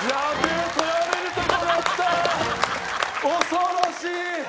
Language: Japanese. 恐ろしい！